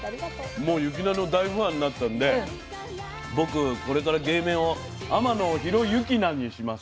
もう雪菜の大ファンになったんで僕これから芸名を天野ひろ「ゆきな」にします。